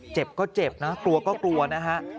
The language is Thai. เจ็บก็เจ็บนะกลัวก็กลัวนะฮะ